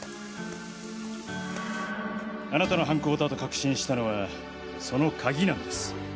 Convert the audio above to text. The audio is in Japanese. あなたの犯行だと確信したのはその鍵なんです。